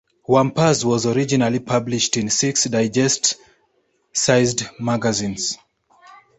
Wampus was originally published in six, digest-sized magazines.